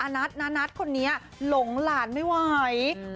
นัทคนนี้หลงหลานไม่ไหว